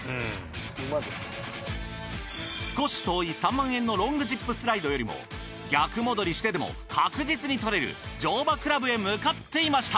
少し遠い３万円のロングジップスライドよりも逆戻りしてでも確実に取れる乗馬クラブへ向かっていました。